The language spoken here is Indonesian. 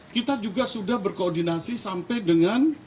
kita juga sudah berkoordinasi sampai dengan